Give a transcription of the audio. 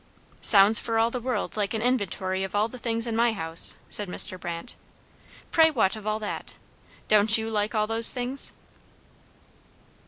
'" "Sounds for all the world like an inventory of the things in my house," said Mr. Brandt. "Pray what of all that? Don't you like all those things?"